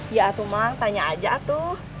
iya tuh mak tanya aja tuh